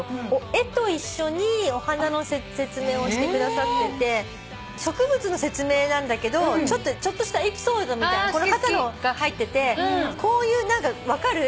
絵と一緒にお花の説明をしてくださってて植物の説明なんだけどちょっとしたエピソードみたいなのが入っててこういう何か分かる？